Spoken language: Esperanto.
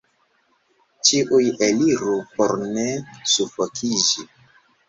ĉiuj eliru, por ne sufokiĝi!